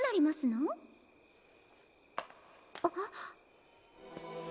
あっ。